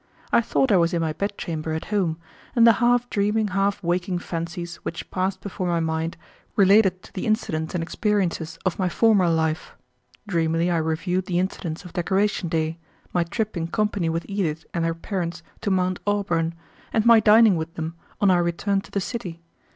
I thought I was in my bed chamber at home, and the half dreaming, half waking fancies which passed before my mind related to the incidents and experiences of my former life. Dreamily I reviewed the incidents of Decoration Day, my trip in company with Edith and her parents to Mount Auburn, and my dining with them on our return to the city.